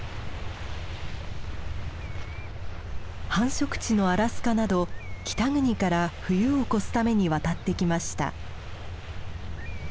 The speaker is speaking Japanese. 繁殖地のアラスカなど北国から冬を越すために渡ってきました。